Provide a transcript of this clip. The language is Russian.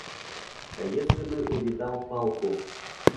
А если бы увидал палку?